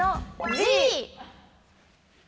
Ｇ。